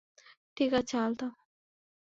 ঠিক আছে, আলতাফ।